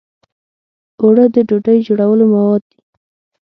اوړه د ډوډۍ جوړولو مواد دي